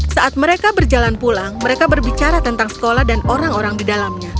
saat mereka berjalan pulang mereka berbicara tentang sekolah dan orang orang di dalamnya